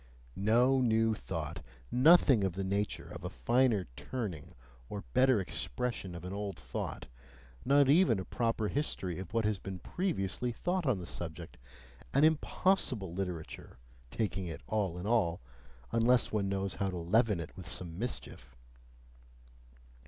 No new thought, nothing of the nature of a finer turning or better expression of an old thought, not even a proper history of what has been previously thought on the subject: an IMPOSSIBLE literature, taking it all in all, unless one knows how to leaven it with some mischief.